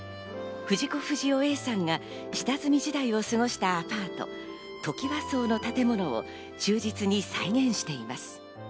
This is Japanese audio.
藤子不二雄Ａさんが下積み時代を過ごしたアパート、トキワ荘の建物を忠実に再現しています。